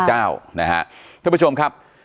ท่านผู้ชมครับ